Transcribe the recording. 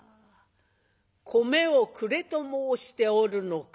「米をくれと申しておるのか？」。